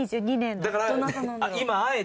だから今あえて。